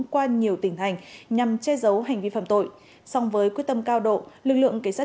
qua nhiều tình hành nhằm che giấu hành vi phạm tội song với quyết tâm cao độ lực lượng kế sát